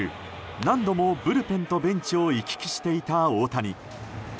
何度もブルペンとベンチを行き来していた大谷。